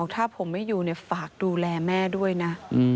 ถ้าผมไม่อยู่ฝากดูแลแม่ด้วยนะ